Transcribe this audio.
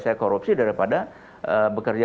saya korupsi daripada bekerja